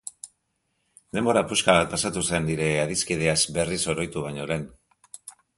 Denbora puska bat pasatu zen nire adiskideaz berriz oroitu baino lehen.